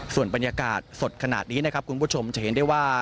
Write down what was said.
ส่วนบรรยากาศสดขนาดนี้นะครับคุณผู้ชมจะเห็นได้ว่า